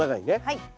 はい。